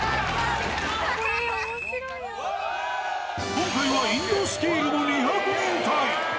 今回はインドスケールの２００人隊。